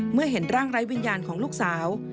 เมื่อเห็นร่างไร้วิญญาณของลูกสาว